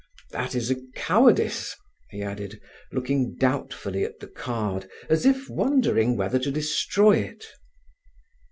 "That is a cowardice," he added, looking doubtfully at the card, as if wondering whether to destroy it.